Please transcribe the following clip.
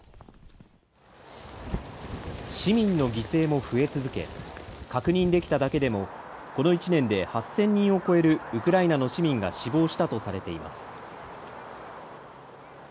市民の犠牲も増え続け、確認できただけでも、この１年で８０００人を超えるウクライナの市民が死亡したとされています。